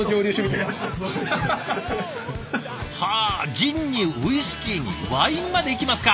ジンにウイスキーにワインまでいきますか！